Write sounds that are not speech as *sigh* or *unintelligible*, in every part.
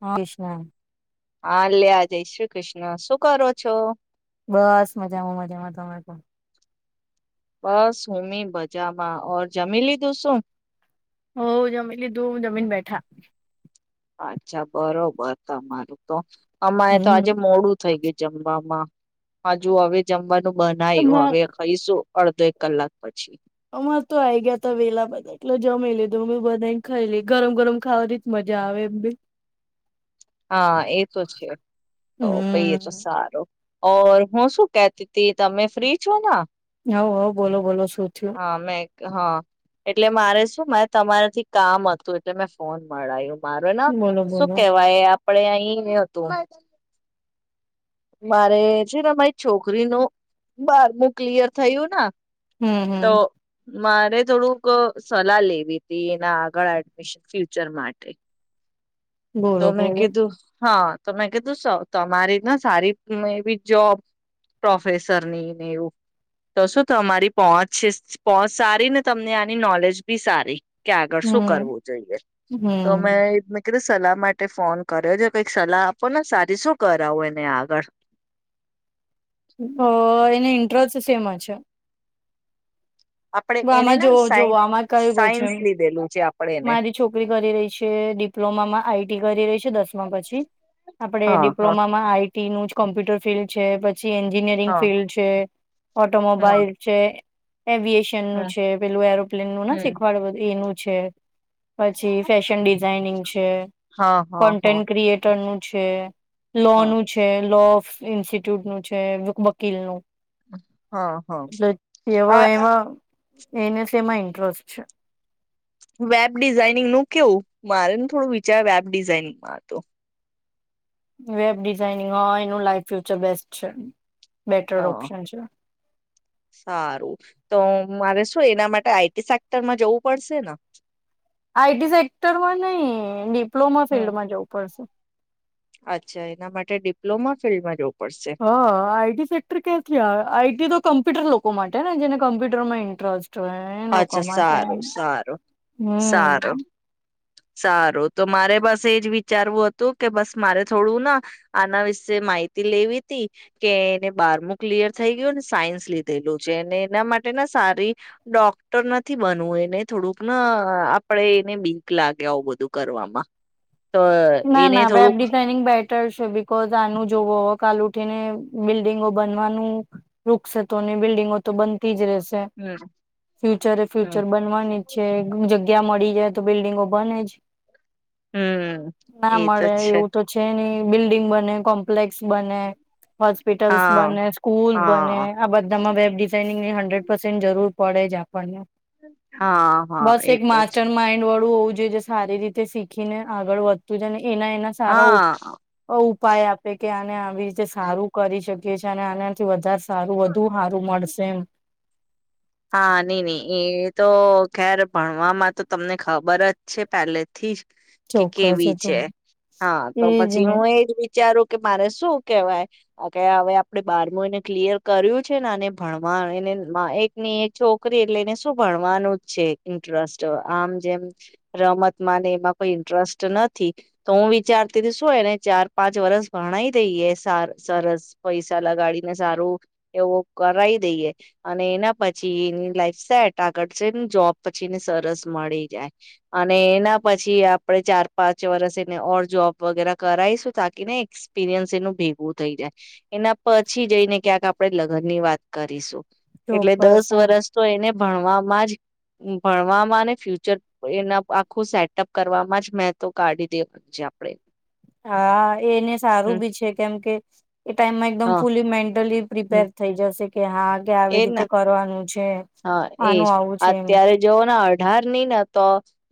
હા કૃષ્ણ. હા લ્યા જય શ્રી કૃષ્ણ શું કરો છો? બસ મજામાં મજામાં તમે ‌કો. બસ હુંમી બજામાં ઓર જમી લીધું શું? હો જમીન લીધું જમીન બેઠા. અચ્છા બરોબર તમારું તો અમારે એ તો હમ આજે મોડું થઇ ગયું છે. જમવામાં હજુ હવે જમવા નું બનાય હવે ખાઈશું. અડધો એક કલાક પછી. અમાર તો આઈ ગયા ત વેલા બધાં એટલે જમી લીધું અમે બધાને ખાઈ લઈ ગરમ ગરમ ખાવાથી મજા આવે એમ બી. હા એ તો છે તો પાઈ એ તો હમ સારો. ઓર હું શું કેતી ત તમે ફ્રી છો ને? હવ હો બોલો બોલો. શું થયું હાં મેં હાં એટલે મારે શું મારે તમારાથી કામ હતું એટલે મેં ફોન મળાયો. મારો ના બોલો શું બોલો કેવાય આ આપડે અઈ ન હતું. મારે છે ને મારી છોકરી ન બારમું ક્લિયર થયું ને હમ હમ. તો મારે થોડુંક સલાહ લેવી હતી, એના આગળ એડમિશન ફ્યુચર માટે. તો બોલો મેં બોલો કીધું હા તો મેં કીધું સ તમારી સારી મે બી જોબ પ્રોફેસર નીને એવું. તો શું તમારી પહોંચ પહોંચ સારી ને તમને આની નોલેજ બી સારી. કે આગળ શું હમ કરવું જોઈએ તો હમ મેં કીધું સલાહ માટે ફોન કર્યો છે, કઈક સલાહ આપો ને સારી શું કરાવ એને આગળ. હ એને ઇન્ટ્રસ્ટ સેમા છે? આપણે હ એને આમાં ના જોવ સાય જોવો આમાં કયું ક્યુ છે સાયન્સ લીધેલું છે આપડે એને મારી છોકરી કરી રહી છે ડિપ્લોમામાં આઈટી કરી રહી છે, દસમા પછી આપડે હા હા ડિપ્લોમામાં આઈ નું જ કોમ્પ્યુટર ફિલ્ડ છે પછી જે એન્જિનિયરિંગ હા ફિલ્ડ છે હમ ઓટોમોબાઈલ છે. એવી હમ છે પેલું એરોપ્લેન નું હમ શીખવાડ એનું છે પછી ફેશન ડિઝાઇનિંગ છે, હા હા હા કોન્ટેન્ટ ક્રિએટરનું છે હા લોનું છે, લો ઇન્સ્ટિટ્યુટનું છે, વકીલનું હા હા *unintelligible* *inaudible* આ એમાં એને સેમા ઇન્ટરેસ્ટ છે વેબ ડિઝાઇનિંગનું કેવું મારે ને થોડું વિચાર વેબ ડિઝાઇનિંગમાં તો વેબ ડિઝઇનિંગ હોય એનું લાઈફ ફ્યુચર બેસ્ટ છે બેટર હા, ઓપ્શન છે સારું તો મારે શું એના માટે આઈ ટી સેક્ટરમાં જવું પડશે ને આઈ ટી સેક્ટરમાં નહી ડિપ્લોમા હમ ફિલ્ડમાં જવું પડશે અચ્છા એના માટે ડિપ્લોમા ફિલ્ડમાં જવું પડશે હા આઈટી સેક્ટર ક્યાંથી આવે આઈટી તો કમ્પ્યુટર લોકો *unintelligible* માટે ને જેને કમ્પ્યુટર માં ઇન્ટરેસ્ટ હોય એ લોકો અચ્છા માટે સારું, સારું, સારું હમ સારું તો મારે બસ એજ વિચારવું હતું કે બસ મારે થોડું ના આના વિશે માહિતી લેવી તી કે એને બારમું ક્લિયર થઈ ગયું ને સાયન્સ લીધેલું છે અનેને એના માટે સારી ડોક્ટર નથી બનવું એને થોડુંક ના આપણેે એને બીક લાગે આવું બધું કરવામાં તો ના, એને ના, વેબ થોડુંક ડિઝાઇનિંગ બેટર છે બિકૉજ આનું જોવો હો કાલ ઉઠીને બિલ્ડિંગો બનવાનું રુકશે તો નહી, બિલ્ડિંગો તો બનતી જ રહેશે હમ ફ્યુચરે, હમ ફ્યુચર બનવાની છે, જગ્યા મળી જાય તો બિલ્ડિંગો બનેજ હમ ના એ તો મળે એવું તો છે ની બિલ્ડિંગ બને કોમ્પ્લેક્સ બને હોસ્પિટલસ હા બને, સ્કૂલ બને હા આ બધામાં વેબ ડિઝાઇન હંડ્રેડ પસેન્ટ જરૂર પડે જ આપણને હા હા બસ એ એક તો છે માસ્ટર માઇન્ડ વાળું હોવું જે જે સારી રીતે શીખીને આગળ વધ તું જાને એના, એના સારા હા *unintelligible* ઉપાય આપે કે આને આવી જે સારું કરી શકે *unintelligible* આનાથી વધારે સારું વધુ સારું મળશે એમ હા, નઈ નઈ એ તો ખેર ભણવામાં તો તમને ખબર જ છે પહેલેથી જ કે ચોક્કસ એ કેવી તો છે હા તો એજ પછી ને હું એજ વિચારું કે મારે શું કેહેવાય કે હવે આપડે બારમું એને ક્લિયર કર્યું છે ને અને ભણવા એને એક ની એક છોકરી એટલે એને શું ભણવાનું જ છે ઇન્ટરસ્ટ આમ જેમ રમતમાંને એમાં કોઈ ઇન્ટરસ્ટ નથી તો હું વિચારતી શું એને ચાર પાંચ વરષ ભણાઈ દઈએ સરસ પૈસા લગાડીને સારું એવું કરાઈ દઈએ અને એના પછી એની લાઈફ સટ આગળ છે ને જોબ પછી એને સરસ મળી જાય. અને એના પછી આપણેે ચાર પાંચ વર્ષ એને ઓર જોબ વગેરે કરાઈશું તાકી ને એક્સપિરિયન્સ એનું ભેગું થઈ જાય. એના પછી જઈને ક્યાંક આપણે લગ્ન ની વાત કરીશું. એટલે ચોક્કસ દસ હા વર્ષ તો એને ભણવામાં જ ભણવામાં અને ફ્યુચર એના આખું સેટઅપ કરવાવામાં જ મે તો કાઢી દેવુ છે આપણેે હા, એને સારું બી છે કેમ કે એ ટાઈમમાં એકદમ હા ફુલી મેન્ટલી પ્રિપેર હમ્મ થઈ જશે કે હા કે એ આવી જ ને રીતે કરવાનું છે. હા, એજ આનું આવું છે એમ અત્યારે જવ ને અઢારની ને તો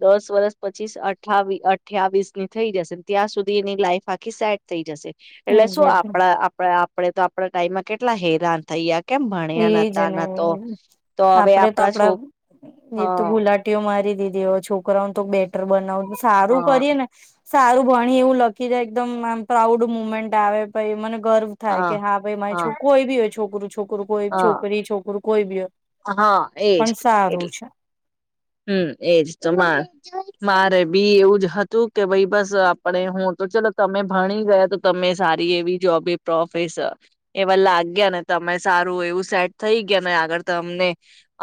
દસ વર્સ પછીસ અઠ અથ્યાવીસ ની થઈ જશેને ત્યાં સુધી એની લાઈફ આખી સેટ થઈ જશે એટલે શું એક્ઝેક્ટ આપણા આપણા આપડે તો આપણા ટાઈમમાં કેટલા હેરાન થઈ કેમ ભણ્યા એજ નતા ન ને તો તો હવે આપડે તો છો આપડા, એ તો હા ગુલાટીઓ મારી દીધી હવે છોકરાઓને તો બેટર બનાવ સારું હા કરીએ ને સારું ભણી એવું લખી જાય એકદમ આમ પ્રાઉડ મુમેન્ટ આવે ભઈ મને ગર્વ થાય કે હા ભાઈ મા કોઈ બી હોય છોકરું કોઇભી હોય હા છોકરી છોકરો કોઈ બી હા એજ પણ સારું એટલે છે હમ એજ તો મારે બી એવું જ હતું કે ભાઈ બસ આપણે હું તો ચલો તમે ભણી ગયા તો તમે સારી એવી જોબ એ પ્રોફેસર એવા લાગ્યા ને તમે સારું એવું સેટ થઈ ગયા ને આગળ તમને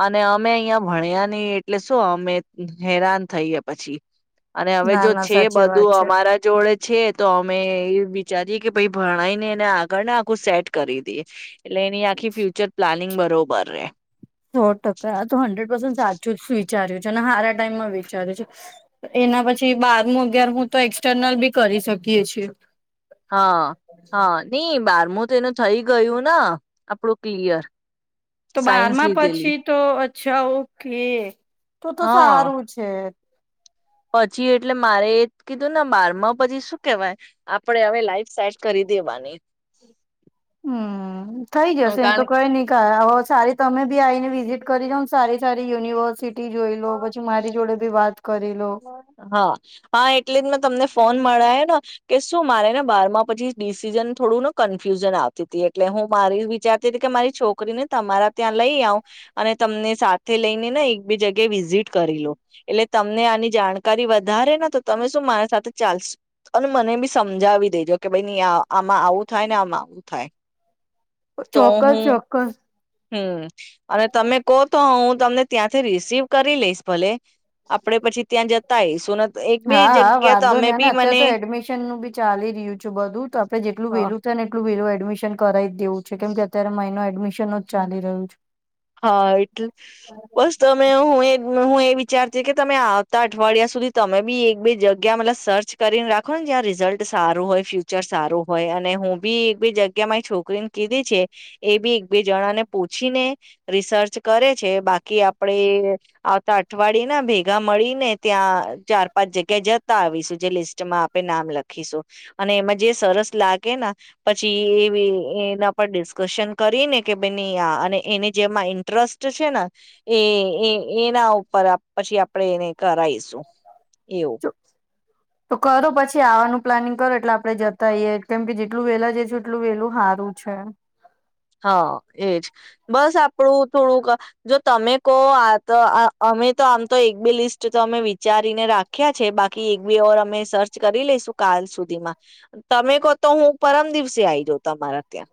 અને અમે અહીં ભણ્યા નહી એટલે શું અમે હેરાન થઈએ પછી અને હવે ના જો ના છે સાચી વાત બધું છે. અમારા જોડે છે તો અમે એ વિચારીએ કે પ ભણાઈને એને આગળ ને આખું સેટ કરી દઈએ એટલે એની આખી્ ફ્યુચર પ્લાનિંગ બ બરોબર રે સો ટકા આ તો હંડ્રેડ પર્સન્ટ સાચું જ વિચાર્યું છે. અને સારા ટાઈમમાં વિચાર્યું છે એના પછી બારમુ અગિયારમુ તો એક્સટર્નલ બી કરી શકીએ છી હા હા નઈ બારમું તો એનું થઈ ગયું આપણું ક્લિયર તો સાયન્સ બારમાં લીધેલી પછી તો અચ્છા ઓકે તો તો હા સારું છે. પછી એટલે મારે એ કીધું ને બારમાં પછી શું કેવાય આપડે હવે લાઈફ સેટ કરી દેવાની. હમ થઈ હ જશે એમ તો કારણ કઈ નહી કા સારી તમે બી આ આવીને વિઝિટ કરી જાવ ને સારી સારી યુનિવર્સિટી જોઈ લો પછી મારી જોડે બી વાત કરી લો હા હા એટલે જ મે તમને ફોન મળાય ન કે શું મારે ને બારમાં પછી ડિસીિઝન થોડુંને કન્ફ્યુઝન આવતી હતી, એટલે હું મારી વિચારતી હતી કે મારી છોકરીને તમારા ત્યાં લઈ આવ, અને તમને સાથે લઈને ને એકબીગ્યા વિઝિટ કરી લો, એટલે તમને આની જાણકારી વધારે ન તો તમે શું મારી સાથે ચાલ અને મને બી સમજાવી દેજો, કે ભાઈ આમાં આવું થાય ને આમાં આવું થાય. તો ચોક્કસ હું ચોક્કસ હમ અને તમે કો તો હું તમને ત્યાંથી રિસીવ કરી લઈશ ભલે. આપડે પછી ત્યાં જતા આવીશું ને એક બે હા હા જગ્યા તો વાંધો અમે અને બી નહી અત્યારે મને તો એડમિશન નું બી ચાલી રહ્યું છ, બધું તો આપે જેટલું અ વેલું થાય ને એટલું વેલું એડમિશન કરાવ દેવું છે, કેમ કે અત્યારે મા એનો એડમિશન જ ચાલી રહ્યું છે. હા એટલે બસ તમે હું એ હું એ વિચારતી કે તમે આવતા અઠવાડિયા સુધી તમે બી એક બે જગ્યા મતલબ સર્ચ કરીને રાખો ને જ્યાં રિઝલ્ટ સારું હોય, ફ્યુચર સારું, હોય અને હું બી એક બે જગ્યા મા એ છોકરીને કીધી છે, એ બી એક બે જણા ને પૂછીને રિસર્ચ કરે છે, બાકી આપણેે આવતા અઠવાડિયે ના ભેગા મળી ને ત્યાં ચાર પાંચ જગ્યા જતા આવીશું, જે લિસ્ટમાં આપણે નામ લખીશું અને એમાં જે સરસ લાગે ન, પછી એ એના પર ડિસ્કશન કરીને કે ભાઈ નહી આ અને એ જેમાં ઇન્ટરેસ્ટ છે, ને એ એના ઉપર પછી આપણેે એને કરાઈશું એવું. તો કરો પછી આવાનું પ્લાનિંગ કરો. એટ આપણેે જતાઈએ એટલું વેલા જ છે એટલું વેલું હારુ છે. હા એજ બસ આપણું થોડુંક જો તમે કહો આ તો અમે તો આમ તો એક બે લિસ્ટ તો અમે વિચારીને રાખ્યા છે, બાકી એક બે ઓર અમે સર્ચ કરી લઈશું કાલ સુધીમાં, તમે કહો તો હું પરમ દિવસે આવી જાઉં તમારા ત્યાં.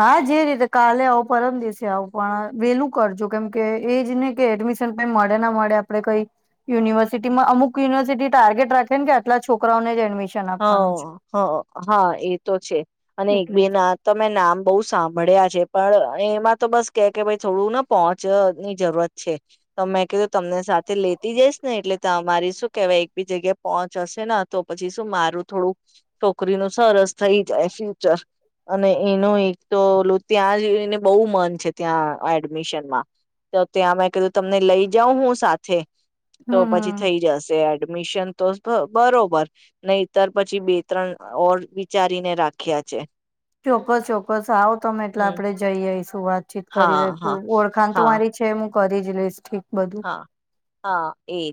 હા જે રીતે કાલે આવો પરમ દિવસે આવો પણ વેલું કરજો કેમ કે એ જ ને કે એડમિશન ક મળે ના મળે, આપડે કઈ યુનિવર્સિટીમાં અમુક યુનિવર્સિટી ટાર્ગેટ રાખે ને, કે આટલા છોકરાઓને જ એડમિશન હ આપવાનું છે. હ હા એ તો છે અને એક એટલે બે જ ના તમે નામ બઉુ સાંભળ્યા છે, પણ એમાં તો બસ કે કે ભ થોડું ને પોહોંચની જરૂરત છે તમેં કીધું તમને સાથે લેતી જઈસ ને એટલે તો આ મારી શું કેવાય એક બી જગ્યાએ પહોંચ હશે ને તો પછી તો મારું થોડું છોકરીનું સરસ થઈ જાય ફ્યુચર, અને એનું એક તો ત્યાં જને બહુ મન છે, ત્યાં એડમિશનમાં તો ત્યાં મેં કધું તમને લઈ જાઉ હું સાથે તો હમ પછી હમ થઈ જશે. એડમિશન તો બરોબર. નહીતર પછી બે ત્રણ ઓર વિચારીને રાખ્યા છે. ચોક્કસ ચોક્કસ આવો તમે એટલે હમ આપડે જઈ આઈશ. તું વાતચીત કરી ર હા છું હા ઓળખાણ તો હા મારી છે કરી જ બધું. હા હા એજ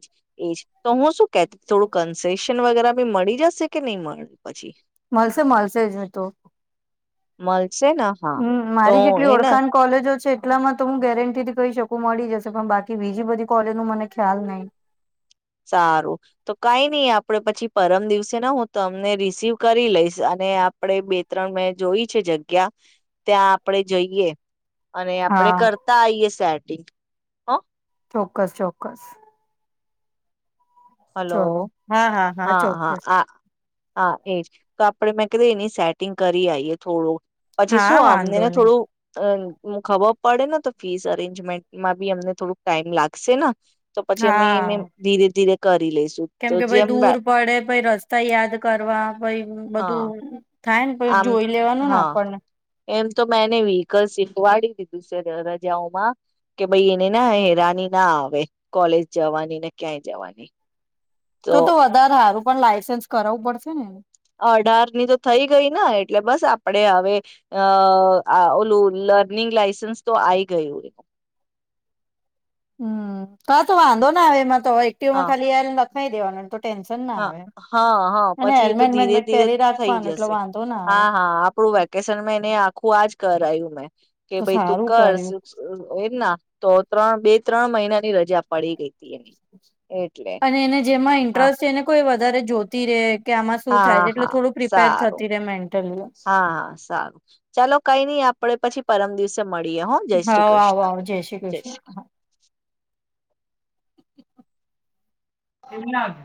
એજ તો હું શું થોડું કન્સેેશન વગેરા મળી જશે કે નહી મળે પછી. મલસે મલસે છે તો. માલ. હમ મારી જેટલી ઓળખાણ કોલેજો છે. એટલામાં તો હું ગેરંટી થી કહી શકું મળી જશે પણ બાકી બીજી બધી કોલેજ નું મને ખ્યાલ નહી. સારું તો કઈ નઈ આપડે પછી પરમ દિવસે ને હું તમને રિસીવ કરી લઈશ અને આપણે બે ત્રણ મે જોઈ છે જગ્યા ત્યાં આપડે જઈએ. અને આપડે હા કરતા આઈયએ સેટ. હા. ચોક્કસ ચોક્કસ. ચોલો હલો હા હા હા ચોક્કસ. હા એજ તો આપડે મેં કધે એની સેટિંગ કરી આઈએ થોડુંક. પછી હા શું વાંધો અમનેને નહી થોડું અ. ખબર પડે ને તો ફીસ અરેન્જમેન્ટમાં બી અમને થોડુંક ટાઈમ લાગશે ને. તો પછી અમે મે હા ધીરે ધીરે. કરી લઈશું કેમ તો કે ભાઈ જેમ દૂર પડે પાઈ રસ્. ત યાદ કરવા. ભાઈ હા બધું થાય ને પ આમ જોઈ લેવાનું ને હા આપણને. એમ તો મેં એને વિહિકલ શીખવાડી દીધું છે, રજાઓમાં કે ભાઈ એને ના હેરાની ના આવે કોલેજ જવાની ને ક્યાંય જવાની તો તો વધારે હારું પણ લાયસન્સ કરાવવું પડશે ને અઢાર ની તો થઈ ગઈ ને એટલે બસ આપડે હવે અ ઓલું લર્નિંગ લાઈસન્સ તો આઈ ગયું એ- હમ ક તો વાંધો ના આવે એમાં એક્ટી માં હા ખાલી કઈ દેવા નંતો હા, હા, હા, પછી એ તો હેલ્મેટ ધીરે વેલ્મેટ ધીરે પહેરી થઈ રાખવાનું એટલે જશે વાંધો ના આવે હા, હા, આપડું વેકેશનમાં એને આખું આજ કરાયુ મેં કે તો ભાઈ તું સારું કર કર્યું એમ ના તો ત્રણ, બે, ત્રણ, મહિના ની રજા પડી ગઈ. હતી એની એટલે અને એને જેમાં હા ઇન્ટરેસ્ટ છે એને કોઈ વધારે જોતી રહે હા, હા, સારું રે મેન્ટલી હા હા સારું ચાલો કઈ નઈ આપડે પછી પરમ દિવસે મડ હા, આવ, આવ, જય શ્રી કૃષ્ણ એમના જ